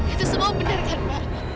itu semua benar pak